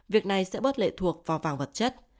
việc này sẽ bớt lệ thuộc vào vàng vật chất